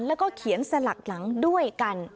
แล้วก็เขียนสลักหลังด้วยกัน